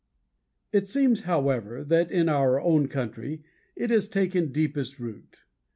It seems, however, that in our own country it has taken deepest root.